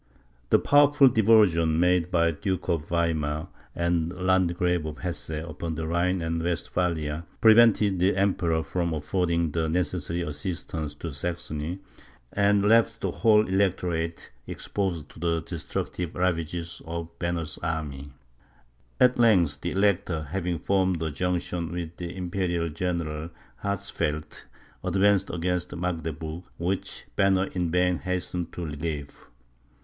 The powerful diversion made by the Duke of Weimar, and the Landgrave of Hesse, upon the Rhine and in Westphalia, prevented the Emperor from affording the necessary assistance to Saxony, and left the whole Electorate exposed to the destructive ravages of Banner's army. At length, the Elector, having formed a junction with the Imperial General Hatzfeld, advanced against Magdeburg, which Banner in vain hastened to relieve.